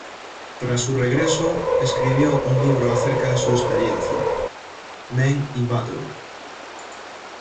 Tras su regreso escribió un libro acerca de su experiencia: "Men in Battle".